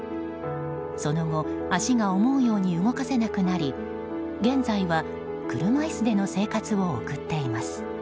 その後、足が思うように動かせなくなり現在は車椅子での生活を送っています。